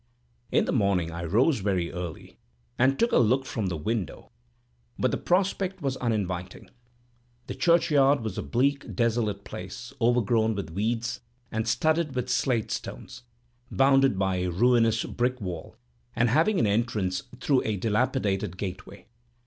In the morning I rose very early, and took a look from the window, but the prospect was very uninviting. The churchyard was a bleak, desolate place, overgrown with weeds, and studded with slate stones, bounded by a ruinous brick wall, and having an entrance through a dilapidated gateway.